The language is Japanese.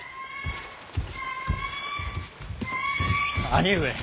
兄上。